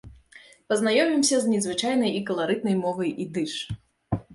Пазнаёмімся з незвычайнай і каларытнай мовай ідыш.